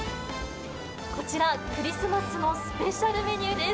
こちら、クリスマスのスペシャルメニューです。